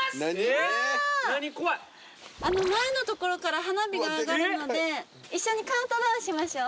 あの前の所から花火が上がるので一緒にカウントダウンしましょう。